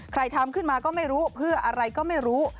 ทำขึ้นมาก็ไม่รู้เพื่ออะไรก็ไม่รู้